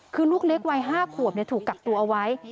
คือลูกเล็กวัย๕ขวบถูกกักตัวเอาไว้